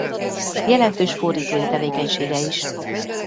Jelentős fordítói tevékenysége is.